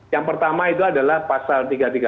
yang pertama itu adalah pasal tiga ratus tiga puluh